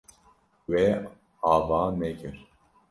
Wê ava nekir.